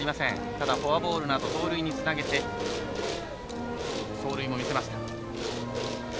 ただフォアボールのあと盗塁につなげて走塁を見せました。